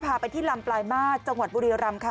พาไปที่ลำปลายมาตรจังหวัดบุรีรำค่ะ